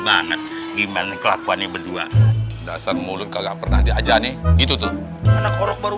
banget gimana kelakuannya berdua dasar mulut kagak pernah diajani gitu tuh anak orang baru